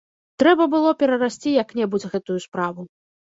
Трэба было перарасці як-небудзь гэтую справу.